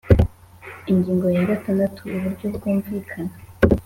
Ingingo ya gatandatu Uburyo bwumvikana